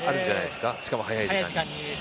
しかも早い時間に。